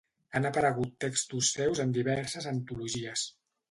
Han aparegut textos seus en diverses antologies.